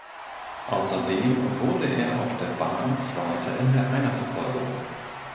Außerdem wurde er auf der Bahn Zweiter in der Einerverfolgung.